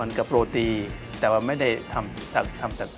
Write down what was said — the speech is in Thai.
หรือพวกนิฟูนี่ชอบ